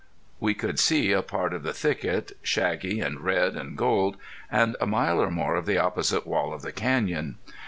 We could see a part of the thicket, shaggy and red and gold; and a mile or more of the opposite wall of the canyon.